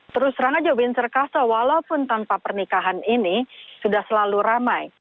terus terang aja windsor castle walaupun tanpa pernikahan ini sudah selalu ramai